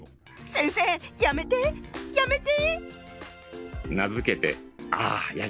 先生やめてやめて！